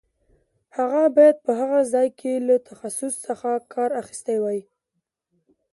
هغه باید په هغه ځای کې له تخصص څخه کار اخیستی وای.